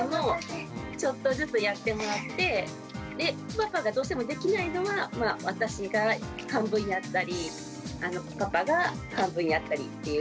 パパがどうしてもできないのは私が半分やったりパパが半分やったりっていう。